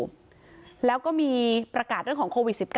แล้วก็มีประกาศเรื่องของโควิด๑๙